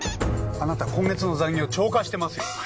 あなた今月の残業超過してますよ。